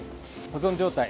保存状態